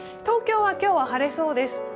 東京は今日は晴れそうです。